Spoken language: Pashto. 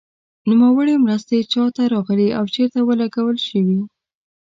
نوموړې مرستې چا ته راغلې او چیرته ولګول شوې.